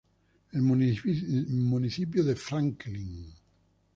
El municipio de Franklin No.